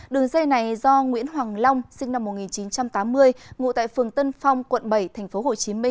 đường dây này do nguyễn hoàng long sinh năm một nghìn chín trăm tám mươi ngụ tại phường tân phong quận bảy tp hcm